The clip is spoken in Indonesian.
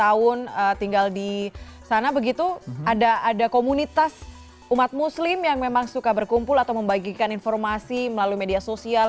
dua puluh tahun tinggal di sana begitu ada komunitas umat muslim yang memang suka berkumpul atau membagikan informasi melalui media sosial